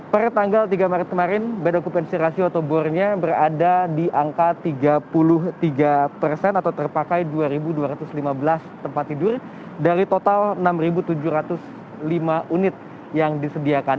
per tanggal tiga maret kemarin bad occupancy ratio atau bornya berada di angka tiga puluh tiga persen atau terpakai dua dua ratus lima belas tempat tidur dari total enam tujuh ratus lima unit yang disediakan